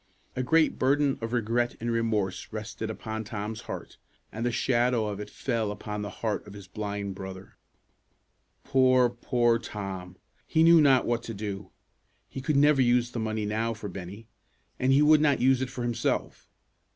A great burden of regret and remorse rested upon Tom's heart, and the shadow of it fell upon the heart of his blind brother. Poor, poor Tom! He knew not what to do. He could never use the money now for Bennie, and he would not use it for himself.